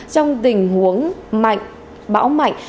trong tình huống mạnh bão mạnh